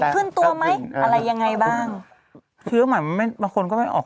ขึ้นตัวไหมอะไรยังไงบ้างคือเหมือนไม่บางคนก็ไม่ออก